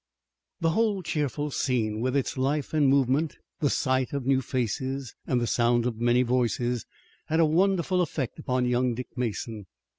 The whole cheerful scene, with its life and movement, the sight of new faces and the sound of many voices, had a wonderful effect upon young Dick Mason.